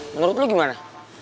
menurut lo gimana